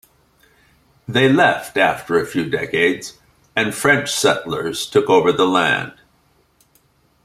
They left after a few decades and French settlers took over the land.